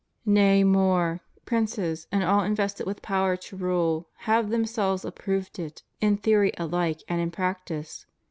Nay more, princes and all invested with power to rule have themselves approved it, in theory alike and in prac tice.